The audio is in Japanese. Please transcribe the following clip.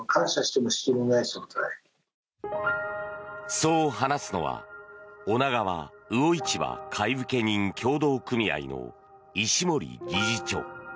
そう話すのは女川魚市場買受人協同組合の石森理事長。